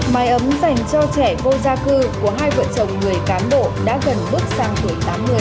mái ấm dành cho trẻ vô gia cư của hai vợ chồng người cán bộ đã gần bước sang tuổi tám mươi